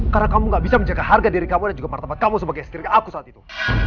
karena kamu gak bisa menjaga harga diri kamu dan juga martabat kamu sebagai istri aku saat itu